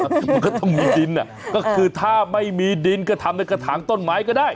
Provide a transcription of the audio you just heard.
มันก็ต้องมีดินก็คือถ้าไม่มีดินก็ทำในกระถางต้นไม้ก็ได้